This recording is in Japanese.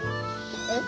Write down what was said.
えっ。